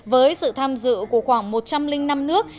với sự tham dự của khoảng một trăm linh năm nước và vùng đất